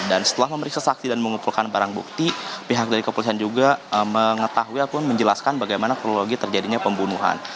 dan setelah memeriksa saksi dan mengumpulkan barang bukti pihak dari kepolisian juga mengetahui ataupun menjelaskan bagaimana kronologi terjadinya pembunuhan